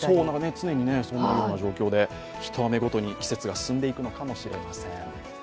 常にそんな状況で、一雨ごとに季節が進んでいくのかもしれません。